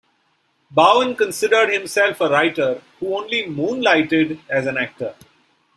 Bowen considered himself a writer who only moonlighted as an actor.